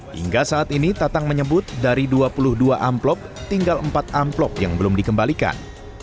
hingga saat ini tatang menyebut dari dua puluh dua amplop tinggal empat amplop yang belum dikembalikan